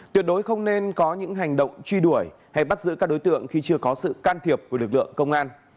tuyệt đối không nên có những hành động truy đuổi hay bắt giữ các đối tượng khi chưa có sự can thiệp của lực lượng công an